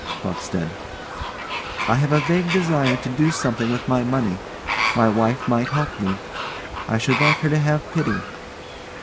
CROCKSTEAD. I have a vague desire to do something with my money: my wife might help me. I should like her to have pity.